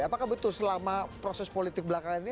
apakah betul selama proses politik belakangan ini